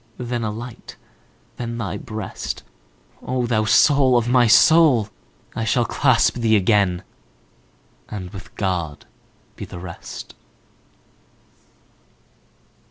Then a light, then thy breast,O thou soul of my soul! I shall clasp thee again, And with God be the rest!